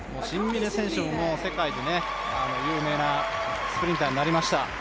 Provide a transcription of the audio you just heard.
シンビネ選手も世界で有名なスプリンターになりました。